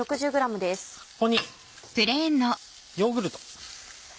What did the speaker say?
ここにヨーグルト。